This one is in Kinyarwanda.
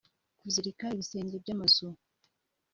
kuzirika ibisenge by’amazu